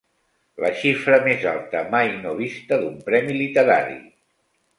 La xifra més alta mai no vista d'un premi literari.